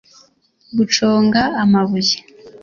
guconga amabuye